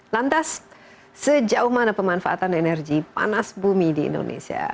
lantas sejauh mana pemanfaatan energi panas bumi di indonesia